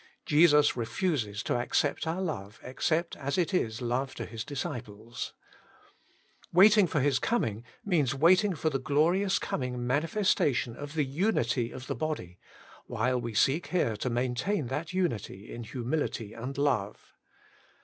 Jesus refuses to accept our love except as it is love to His disciples. Waiting for His coming means waiting for the glorious coming manifestation of the unity of the body, while we seek here to maintain that unity in humility and love.